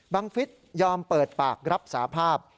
ฟิศยอมเปิดปากรับสาภาพ